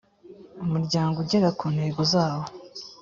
umuryango ugera kuntego zawo